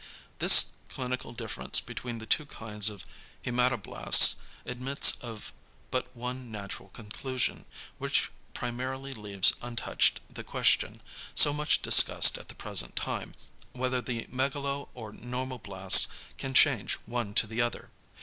This clinical difference between the two kinds of hæmatoblasts admits of but one natural conclusion, which primarily leaves untouched the question, so much discussed at the present time, whether the megalo or normoblasts can change one to the other.